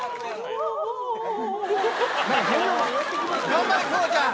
頑張れクロちゃん！